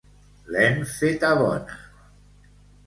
L'hem feta bona!